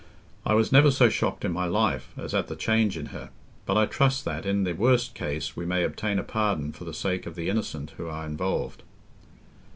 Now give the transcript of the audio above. I was never so shocked in my life as at the change in her. But I trust that, in the worst case, we may obtain a pardon for the sake of the innocent who are involved."